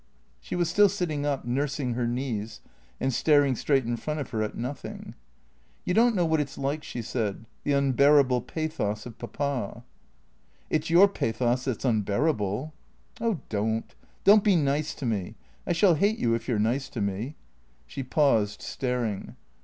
She was still sitting up, nursing her knees, and staring straight in front of her at nothing. " You don't know what it 's like," she said ;" the unbearable pathos of Papa." " It 's your pathos that 's unbearable." " Oh don't ! Don't be nice to me. I shall hate you if you 're nice to me." She paused, staring.